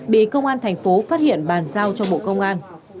bị công an thành phố phát hiện bàn giao cho bộ công an